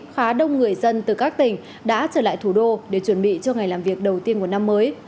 khá đông người dân từ các tỉnh đã trở lại thủ đô để chuẩn bị cho ngày làm việc đầu tiên của năm mới